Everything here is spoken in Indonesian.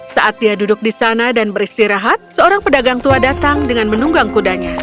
saat dia duduk di sana dan beristirahat seorang pedagang tua datang dengan menunggang kudanya